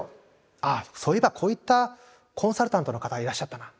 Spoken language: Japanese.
あそういえばこういったコンサルタントの方がいらっしゃったな。